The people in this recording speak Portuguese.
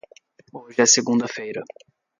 Hoje é segunda-feira.